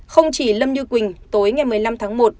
không chỉ lâm như quỳnh tối ngày một mươi năm tháng một